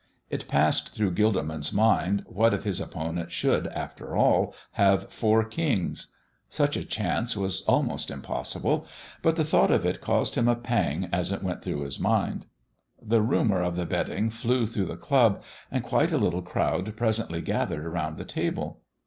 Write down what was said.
It passed through Gilderman's mind, what if his opponent should, after all, have four kings? Such a chance was almost impossible, but the thought of it caused him a pang as it went through his mind. The rumor of the betting flew through the club, and quite a little crowd presently gathered around the table.